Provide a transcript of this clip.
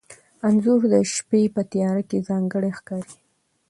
انځور د شپې په تیاره کې ځانګړی ښکاري.